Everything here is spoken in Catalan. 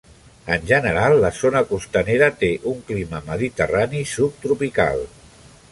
En general la zona costanera té un clima mediterrani subtropical.